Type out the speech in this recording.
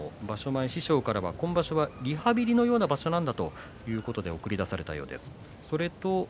前、師匠からは今場所はリハビリ中の場所なんだということで送り出されたそうです。